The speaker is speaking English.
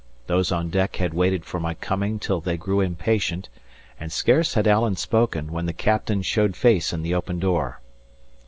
Those on deck had waited for my coming till they grew impatient; and scarce had Alan spoken, when the captain showed face in the open door.